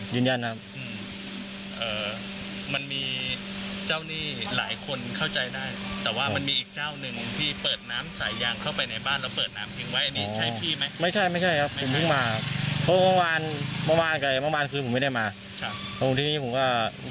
เดี๋ยวมันจะคุยว่ามันทำไมไม่จ่าย